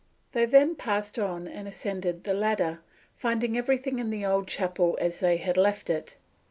They then passed on and ascended the ladder, finding everything in the old chapel as they had left it.